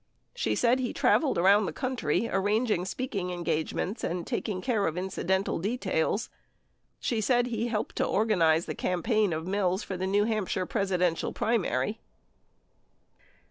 She said he traveled around the country arranging speaking en gagements and taking care of incidental details. She said he helped to organize the campaign of Mills for the New Hampshire Presidential primary.